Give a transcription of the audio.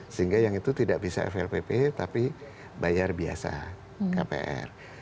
sehingga yang itu tidak bisa flpp tapi bayar biasa kpr